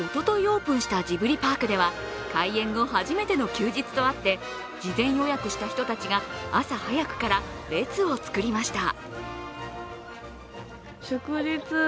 オープンしたジブリパークでは開園後、初めての休日とあって事前予約した人たちが朝早くから列を作りました。